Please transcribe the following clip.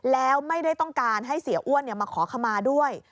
แล้วไม่ได้ต้องการให้เสียอ้วนมาขอขมาด้วย